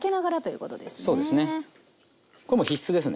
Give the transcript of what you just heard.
これもう必須ですね。